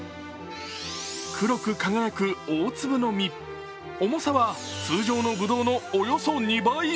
黒く輝く大粒の実、重さは通常のブドウのおよそ２倍。